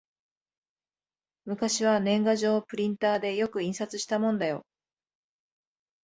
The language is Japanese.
昔は年賀状をプリンターでよく印刷したもんだよ